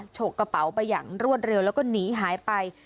ฉกกระเป๋าไปอย่างรวดเร็วแล้วก็หนีหายไป